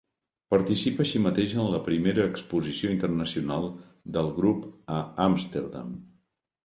Participa així mateix en la primera exposició internacional del grup a Amsterdam.